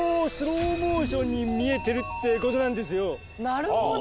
なるほど。